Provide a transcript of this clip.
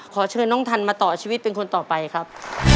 ขอเชิญน้องทันมาต่อชีวิตเป็นคนต่อไปครับ